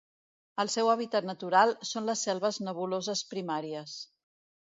El seu hàbitat natural són les selves nebuloses primàries.